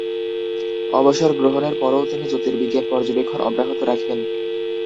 অবসর গ্রহণের পরও তিনি জ্যোতির্বিজ্ঞান পর্যবেক্ষণ অব্যাহত রাখেন।